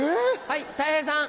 はいたい平さん。